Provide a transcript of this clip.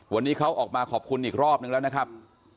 วันนี้เขาออกมาขอบคุณอีกรอบนึงแล้วนะครับ